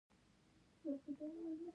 ښکلې مځکه غني ده.